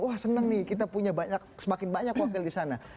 wah seneng nih kita punya banyak semakin banyak wakil di sana